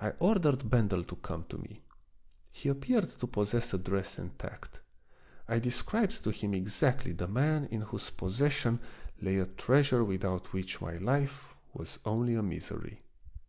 I ordered Bendel to come to me; he appeared to possess address and tact; I described to him exactly the man in whose possession lay a treasure without which my life was only a misery.